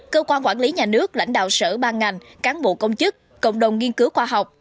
cơ quan quản lý nhà nước lãnh đạo sở ban ngành cán bộ công chức cộng đồng nghiên cứu khoa học